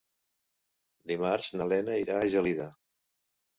Dimarts na Lena irà a Gelida.